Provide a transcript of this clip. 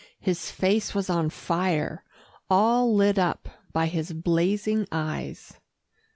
His face was on fire all lit up by his blazing eyes.